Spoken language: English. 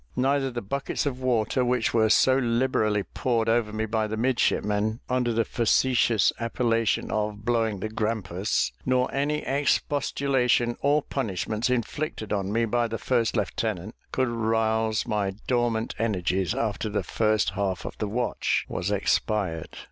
Neither the buckets of water which were so liberally poured over me by the midshipmen, under the facetious appellation of "blowing the grampus," nor any expostulation or punishments inflicted on me by the first lieutenant could rouse my dormant energies after the first half of the watch was expired.